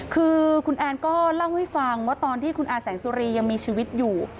คือคุณแอนก็เล่าให้ฟังว่าตอนที่คุณอาแสงสุรียังมีชีวิตอยู่